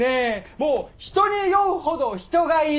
もう人に酔うほど人がいる。